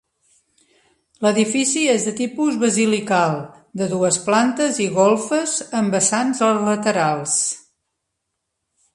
L’edifici és de tipus basilical, de dues plantes i golfes amb vessants a laterals.